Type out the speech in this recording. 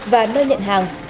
và nơi nhận hàng